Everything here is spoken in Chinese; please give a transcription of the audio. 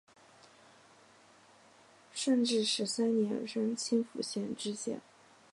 顺治十三年任青浦县知县。